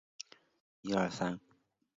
松本零士妻子是漫画家牧美也子。